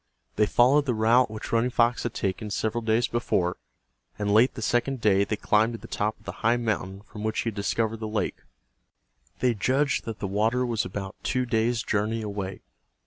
They followed the route which Running Fox had taken several days before, and late the second day they climbed to the top of the high mountain from which he had discovered the lake. They judged that the water was about two days' journey away.